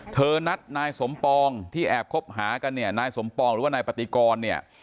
เธอนัดนายสมปองที่แอบคบหากันนายสมปองหรือว่านายปฏิกร